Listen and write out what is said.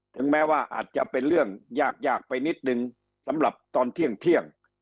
ถึงแม้ว่าอาจจะเป็นเรื่องยากยากไปนิดนึงสำหรับตอนเที่ยง